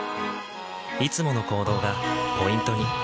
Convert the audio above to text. いつもの行動がポイントに。